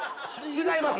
違います。